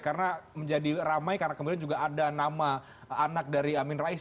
karena menjadi ramai karena kemudian juga ada nama anak dari amin rais